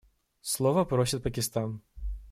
Слова просит Пакистан.